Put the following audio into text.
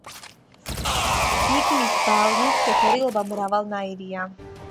ბიგლის ბალნის შეფერილობა მრავალნაირია.